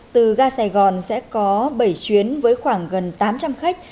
từ ga sài gòn sẽ có bảy chuyến với khoảng gần tám trăm linh khách